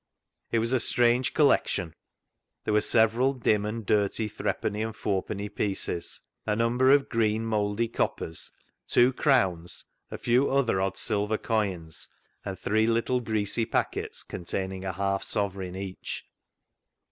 It was a strange collection. There were several dim and dirty threepenny and fourpenny pieces, a number of green mouldy coppers, two crowns, a few other odd silver coins, and three little greasy packets containing a half sovereign each.